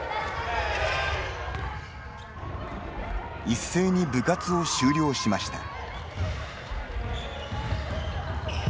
一斉に部活を終了しました。